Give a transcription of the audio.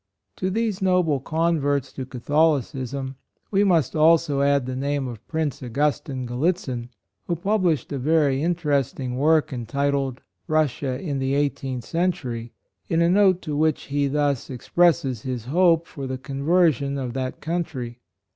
To these noble converts to Catholicism we must also add the name of Prince Augustine Gal litzin, who published a very inter esting work entitled " Russia in the Eighteenth Century," in a note to MONUMENT. 145 which he thus expresses his hope for the conversion of that country.